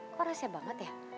kok rasanya banget ya